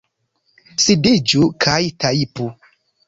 Sidiĝu kaj tajpu!